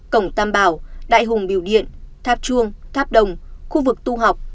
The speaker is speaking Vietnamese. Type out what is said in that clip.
cổng tam bảo đại hùng biểu điện tháp chuông tháp đồng khu vực tu học